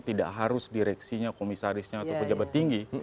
tidak harus direksinya komisarisnya atau pejabat tinggi